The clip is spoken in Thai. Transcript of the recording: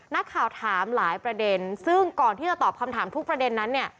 นักข่าวถามหลายประเด็นซึ่งก่อนที่จะตอบคำถามทุกประเด็นนั้นเนี่ย